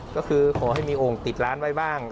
ก็คือขอให้มีโอ่งติดร้านไว้บ้าง